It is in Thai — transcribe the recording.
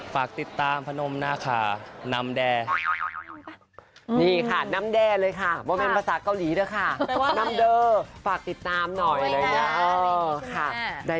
ฝากติดตามหน่อยเลยค่ะ